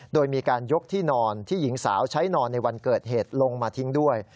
โดยมีการยกที่นอนที่หญิงสาวใช้นอนในวันเกิดเหตุลงมาทิ้งด้วย